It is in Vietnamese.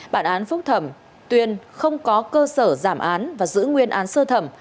bản án phúc thẩm tuyên không có cơ sở giảm án và giữ nguyên án sơ thẩm